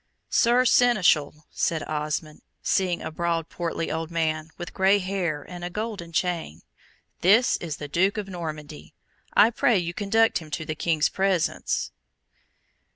"Sir Seneschal," said Osmond, seeing a broad portly old man, with grey hair and a golden chain, "this is the Duke of Normandy I pray you conduct him to the King's presence."